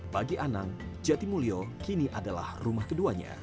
bagi anang jatimulyo kini adalah rumah keduanya